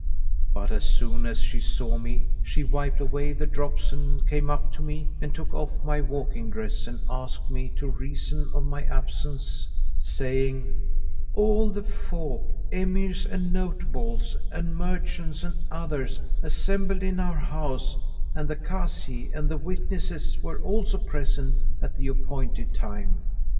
But as soon as she saw me she wiped away the drops and came up to me, and took off my walking dress and asked me the reason of my absence, saying, "All the folk, Emirs and notables and merchants and others, assembled in our house; and the Kazi and the witnesses were also present at the appointed time.